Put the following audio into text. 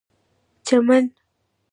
چمن